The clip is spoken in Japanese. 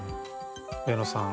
上野さん